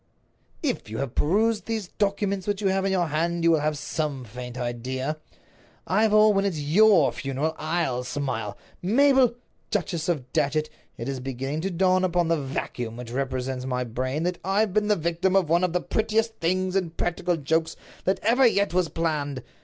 "If you have perused those documents which you have in your hand, you will have some faint idea. Ivor, when it's your funeral, I'll smile. Mabel, Duchess of Datchet, it is beginning to dawn upon the vacuum which represents my brain that I've been the victim of one of the prettiest things in practical jokes that ever yet was planned.